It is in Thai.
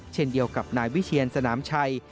เช่นเดียวกับนายวิเชียนสนามชัย